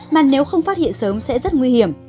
mà nếu không phát hiện sớm sẽ rất nguy hiểm